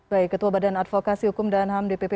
baik ketua badan advokasi hukum dan ham dpp